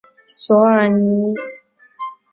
索尔尼。